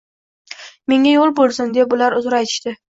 Menga yoʻl boʻlsin, deb ular uzr aytishdi